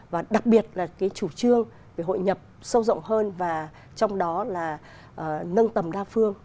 và đặc biệt là cái chủ trương về hội nhập sâu rộng hơn và trong đó là nâng tầm đa phương